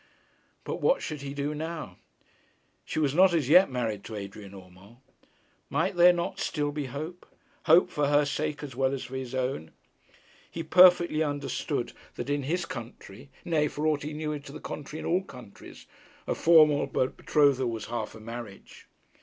But what should he do now? She was not as yet married to Adrian Urmand. Might there not still be hope; hope for her sake as well as for his own? He perfectly understood that in his country nay, for aught he knew to the contrary, in all countries a formal betrothal was half a marriage.